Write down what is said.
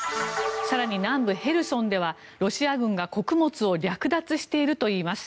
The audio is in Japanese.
更に、南部ヘルソンではロシア軍が穀物を略奪しているといいます。